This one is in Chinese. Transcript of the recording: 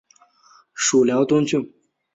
属辽东郡。